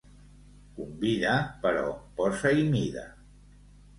Convida, però posa-hi mida.